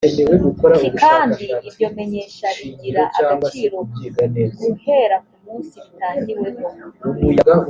kkandi iryo menyesha rigira agaciro guhera ku munsi ritangiweho